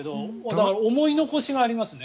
だから、思い残しがありますね。